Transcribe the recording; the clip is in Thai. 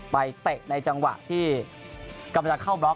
เตะในจังหวะที่กำลังจะเข้าบล็อก